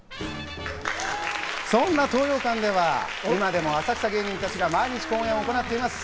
そんな東洋館では、今でも浅草芸人たちが毎日公演を行っています。